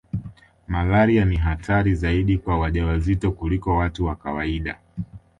Malaria ni hatari zaidi kwa wajawazito kuliko watu wa kawaida